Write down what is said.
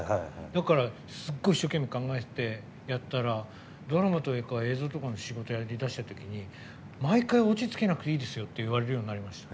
だから、すごい一生懸命考えてて、やったらドラマとか映像とかの仕事やりだした時に毎回、落ちをつけなくていいですよって言われるようになりました。